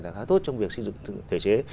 là khá tốt trong việc xây dựng thể chế